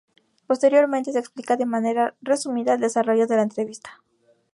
Posteriormente, se explica de manera resumida el desarrollo de la entrevista.